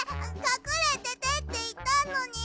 かくれててっていったのに。